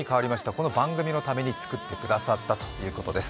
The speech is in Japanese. この番組のために作ってくださったということです。